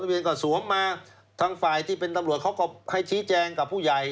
เวรก็สวมมาทางฝ่ายที่เป็นตำรวจเขาก็ให้ชี้แจงกับผู้ใหญ่